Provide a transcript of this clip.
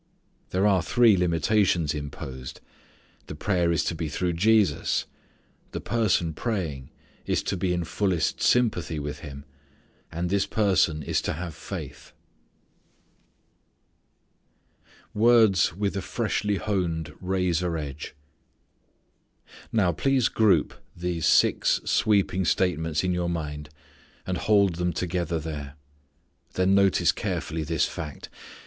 There are three limitations imposed: the prayer is to be through Jesus; the person praying is to be in fullest sympathy with Him; and this person is to have faith. Words With a Freshly Honed Razor Edge. Now please group these six sweeping statements in your mind and hold them together there. Then notice carefully this fact.